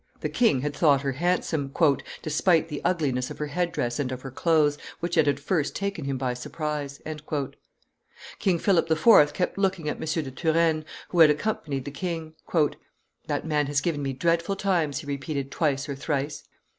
The king had thought her handsome, "despite the ugliness of her head dress and of her clothes, which had at first taken him by surprise." King Philip IV. kept looking at M. de Turenne, who had accompanied the king. "That man has given me dreadful times," he repeated twice or thrice.